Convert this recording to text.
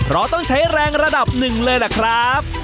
เราต้องใช้แรงระดับหนึ่งเลยล่ะครับ